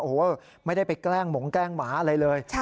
โอ้โหไม่ได้ไปแกล้งหมงแกล้งหมาอะไรเลย